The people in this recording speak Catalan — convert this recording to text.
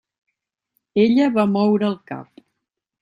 Ella va moure el cap.